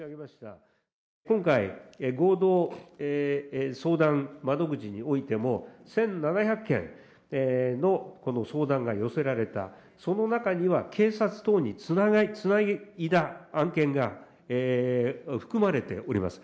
今回、合同相談窓口においても、１７００件の相談が寄せられた、その中には警察等につないだ案件が含まれております。